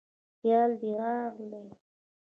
خیال دې راغلی